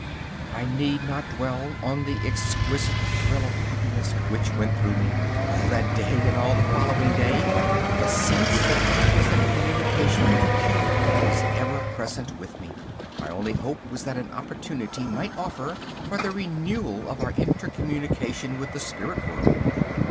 I need not dwell on the exquisite thrill of happiness which went through me. All that day and all the following day, the sense that I was in communication with Q was ever present with me. My only hope was that an opportunity might offer for the renewal of our inter communication with the spirit world.